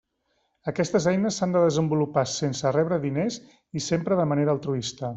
Aquestes eines s'han de desenvolupar sense rebre diners i sempre de manera altruista.